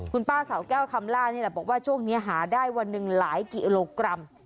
คุณป้าเสาแก้วคำล่านี่แหละบอกว่าช่วงนี้หาได้วันหนึ่งหลายกิโลกรัม